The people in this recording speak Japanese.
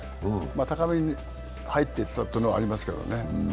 高めに入ってったってのはありますけどね。